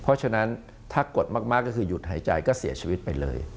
เพราะฉะนั้นถ้ากดมากก็คือหยุดหายใจก็เสียชีวิตไปเลย